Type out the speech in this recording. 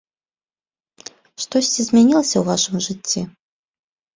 Штосьці змянілася ў вашым жыцці?